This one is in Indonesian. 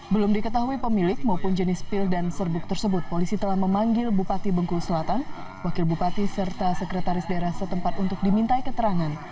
belum diketahui pemilik maupun jenis pil dan serbuk tersebut polisi telah memanggil bupati bengkulu selatan wakil bupati serta sekretaris daerah setempat untuk dimintai keterangan